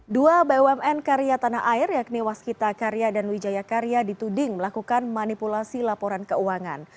dua bumn karya tanah air yakni waskita karya dan wijaya karya dituding melakukan manipulasi laporan keuangan